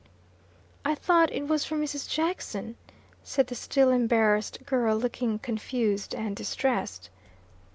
"I thought it was from Mrs. Jackson," said the still embarrassed girl, looking confused and distressed.